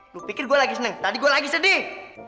lu pikir gue lagi seneng tadi gue lagi sedih